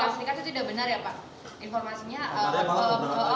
masalah yang sama